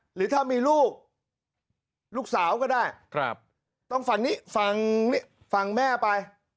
หรือถ้ามีลูกลูกสาวก็ได้ต้องฝั่งนี้ฟังแม่ไป